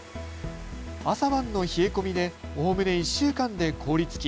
朝晩の冷え込みでおおむね１週間で凍りつき